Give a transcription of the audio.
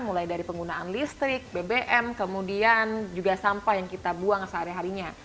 mulai dari penggunaan listrik bbm kemudian juga sampah yang kita buang sehari harinya